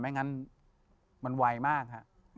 ไม่งั้นมันวายมากครับ